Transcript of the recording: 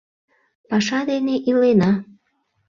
Паша дене илена